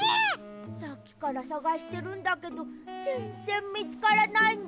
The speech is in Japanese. さっきからさがしてるんだけどぜんぜんみつからないんだ。